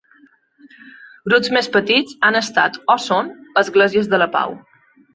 Grups més petits han estat o són esglésies de la pau.